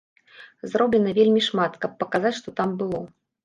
Зроблена вельмі шмат, каб паказаць, што там было.